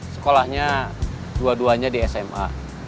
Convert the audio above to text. sekolahnya dua duanya di sma